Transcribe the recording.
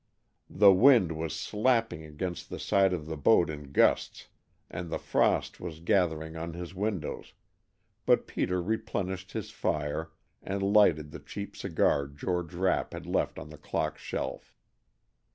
The wind was slapping against the side of the boat in gusts and the frost was gathering on his windows, but Peter replenished his fire and lighted the cheap cigar George Rapp had left on the clock shelf.